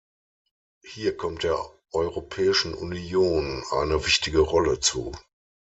Hier kommt der Europäischen Union eine wichtige Rolle zu.